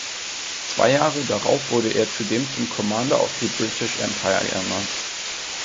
Zwei Jahre darauf wurde er zudem zum Commander of the British Empire ernannt.